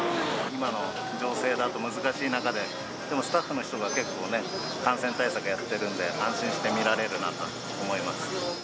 今の情勢だと難しい中で、でもスタッフの人が結構ね、感染対策やってるんで、安心して見られるなと思います。